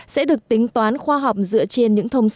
sẽ được tính toán khoa học dựa trên những thông số